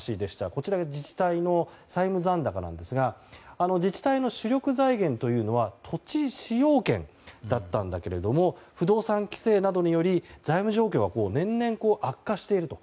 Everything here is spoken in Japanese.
こちらが自治体の債務残高ですが自治体の主力財源というのは土地使用権だったんだけれども不動産規制などにより財務状況が年々悪化していると。